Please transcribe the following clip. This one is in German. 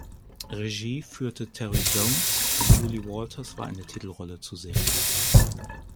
Regie führte Terry Jones, Julie Walters war in der Titelrolle zu sehen.